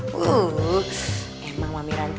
wuuu emang mami ranti